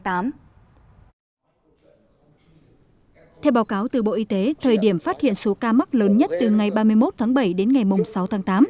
theo báo cáo từ bộ y tế thời điểm phát hiện số ca mắc lớn nhất từ ngày ba mươi một tháng bảy đến ngày sáu tháng tám